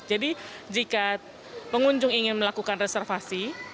jadi jika pengunjung ingin melakukan reservasi